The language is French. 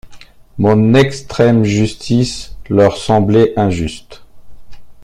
Mon extrême justice leur semblait injuste.